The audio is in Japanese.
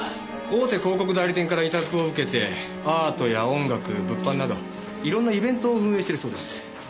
大手広告代理店から委託を受けてアートや音楽物販などいろんなイベントを運営しているそうです。